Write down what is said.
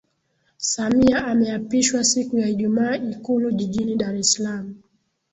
Samia ameapishwa siku ya Ijumaa ikulu jijini Dar es Salaam